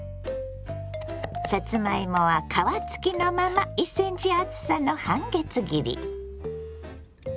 さつまいもは皮付きのまま１ｃｍ厚さの半月切り。